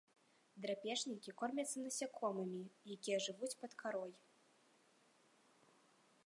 Драпежнікі, кормяцца насякомымі, якія жывуць пад карой.